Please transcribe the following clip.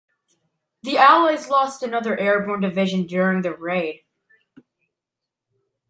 The allies lost another airborne division during the raid.